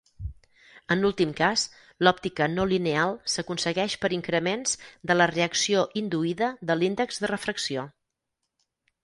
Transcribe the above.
En l'últim cas, l'òptica no lineal s'aconsegueix per increments de la reacció induïda de l'índex de refracció.